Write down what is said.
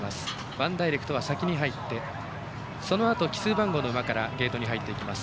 ワンダイレクトは先に入ってそのあと、奇数番号の馬からゲートに入っていきます。